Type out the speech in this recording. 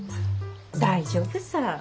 大丈夫さ。